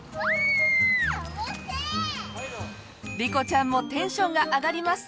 莉子ちゃんもテンションが上がります。